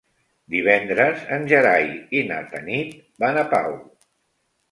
Divendres en Gerai i na Tanit van a Pau.